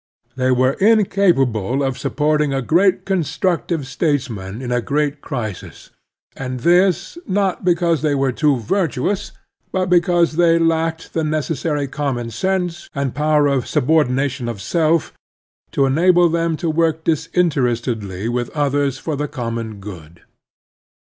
They were in capable of supporting a great constructive states man in a great crisis ; and this, not because they were too \ irtuous, but because they lacked the necessary common sense and power of subordina tion of self to enable them to work disinterestedly with others for the common good.